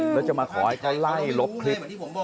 แล้วจะมาขอให้เขาไล่ลบคลิป